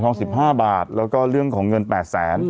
๑๕บาทแล้วก็เรื่องของเงิน๘แสน